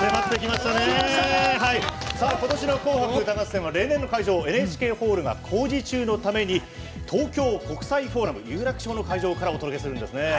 今年の「紅白歌合戦」は例年の会場、ＮＨＫホールが工事中のためにメインステージは有楽町の会場からお送りします。